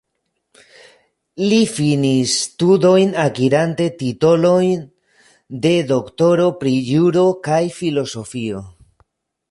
Li finis studojn akirante titolojn de doktoro pri juro kaj filozofio.